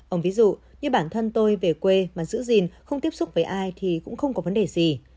ông ví dụ như bản thân tôi về quê mà giữ gìn không tiếp xúc với ai thì cũng không có vấn đề gì